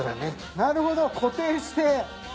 なるほど固定して！